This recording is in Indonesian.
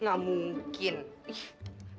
nggak mungkin ih